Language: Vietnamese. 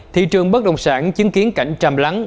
thị trường bất đồng sản chứng kiến cảnh trầm lắng